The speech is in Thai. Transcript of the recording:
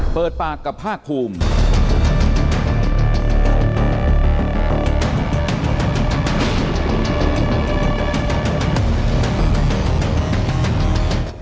เปิดปากกับภาคภูมิ